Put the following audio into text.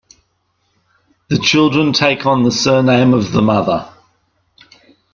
The children take on the surname of the mother.